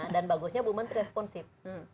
dan bagusnya bu menteri responsif